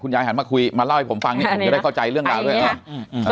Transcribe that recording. คุณยายหันมาคุยมาเล่าให้ผมฟังผมจะได้เข้าใจเรื่องราวด้วยครับ